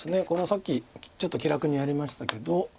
さっきちょっと気楽にやりましたけど。